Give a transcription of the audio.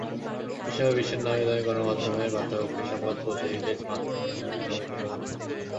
পশ্চিমা বিশ্বের নামীদামি গণমাধ্যমের বার্তাকক্ষে সংবাদ পৌঁছে দিতে স্মার্টফোন নিয়মিত ব্যবহৃত হচ্ছে।